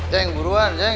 ceng buruan ceng